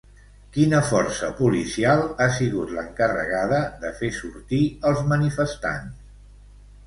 Quina força policial ha sigut l'encarregada de fer sortir els manifestants?